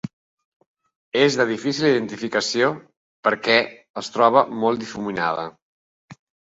És de difícil identificació perquè es troba molt difuminada.